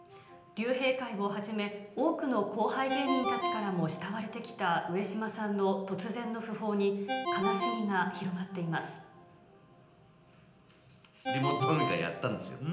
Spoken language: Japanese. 竜兵会をはじめ、多くの後輩芸人たちからも慕われてきた上島さんの突然の訃報に、リモート飲み会やったんですよ。